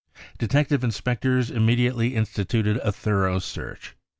I u Detective inspectors immediately instituted a thorough | search.